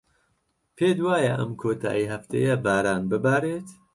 پێت وایە ئەم کۆتاییی هەفتەیە باران ببارێت؟